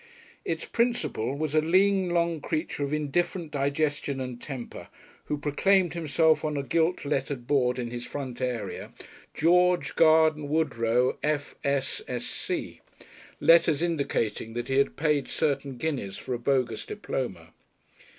Its "principal" was a lean, long creature of indifferent digestion and temper, who proclaimed himself on a gilt lettered board in his front garden George Garden Woodrow, F.S.Sc., letters indicating that he had paid certain guineas for a bogus diploma.